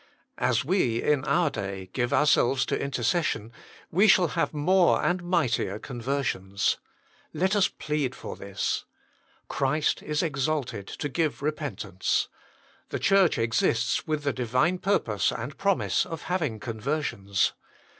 As we, in our day, give ourselves to intercession, we shall have more and mightier conversions. Let us plead for this. Christ is exalted to give repentance. The Church exists with the Divine purpose and promise of having conversions.